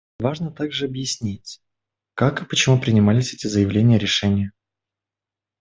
Важно также объяснить, как и почему принимались эти заявления и решения.